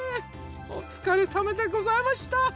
おつかれさまでございました。